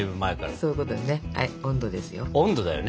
そういうことよね。